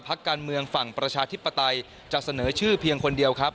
การเมืองฝั่งประชาธิปไตยจะเสนอชื่อเพียงคนเดียวครับ